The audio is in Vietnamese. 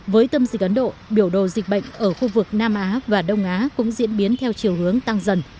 với tâm dịch ấn độ biểu đồ dịch bệnh ở khu vực nam á và đông á cũng diễn biến theo chiều hướng tăng dần